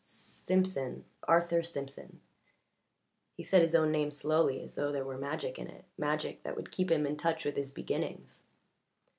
"Simpson Arthur Simpson." He said his own name slowly as thought there was magic in it, magic that would keep him in touch with his beginnings.